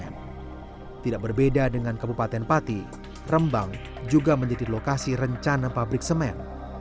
kekayaan alam kars di pegunungan kendeng tidak surut mendapat tekanan dari rencana pembangunan pabrik sepeda